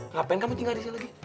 ngapain kamu tinggal disini lagi